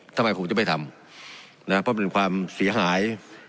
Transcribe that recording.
ทำไมผมจะไปทำนะครับเพราะเป็นความเสียหาย